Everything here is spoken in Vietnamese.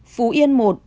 phú yên một